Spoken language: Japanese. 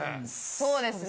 そうですね